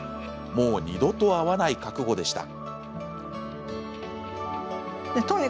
もう二度と会わない覚悟でした。